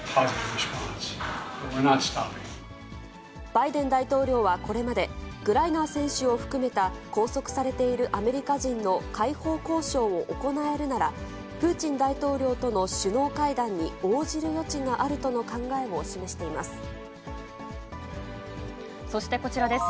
バイデン大統領はこれまで、グライナー選手を含めた拘束されているアメリカ人の解放交渉を行えるなら、プーチン大統領との首脳会談に応じる余地があるとの考えを示してそしてこちらです。